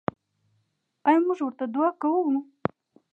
آیا موږ ورته دعا کوو؟